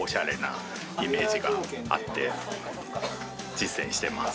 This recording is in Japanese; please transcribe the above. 実践してます。